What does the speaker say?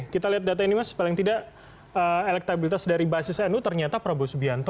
kita lihat data ini mas paling tidak elektabilitas dari basis nu ternyata prabowo subianto